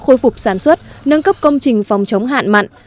khôi phục sản xuất nâng cấp công trình phòng chống hạn mặn